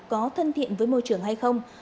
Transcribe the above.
có thân thiện với môi trường hay không